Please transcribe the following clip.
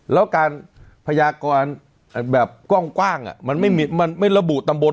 แล้วการพยากรแบบกว้างกว้างอ่ะมันไม่มีมันไม่ระบุตำบล